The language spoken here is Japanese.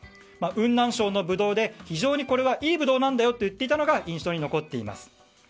雲南省のブドウで非常にいいブドウなんだよと言っていたのが印象に残っています。